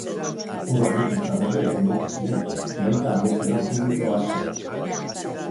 Ur-hornikuntza berriak burutu ziren, baita beste lan publiko asko ere.